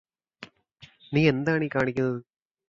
നീ എന്താണീ കാണിക്കുന്നത്